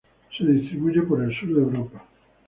Se distribuye por el sur de Europa.